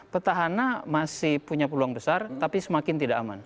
petahana masih punya peluang besar tapi semakin tidak aman